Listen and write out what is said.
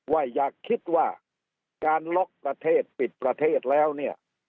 อย่าคิดว่าการล็อกประเทศปิดประเทศแล้วเนี่ย